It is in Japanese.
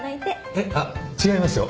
えっ？あっ違いますよ。